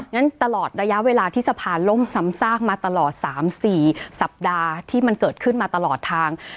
งั้นตลอดระยะเวลาที่สะพานล่มซ้ำซากมาตลอด๓๔สัปดาห์ที่มันเกิดขึ้นมาตลอดทาง